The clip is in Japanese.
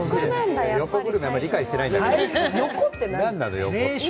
横グルメ、あんまり理解してない。